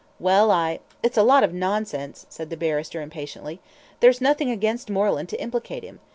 "Well, I " "It's a lot of nonsense," said the barrister, impatiently. "There's nothing against Moreland to implicate him.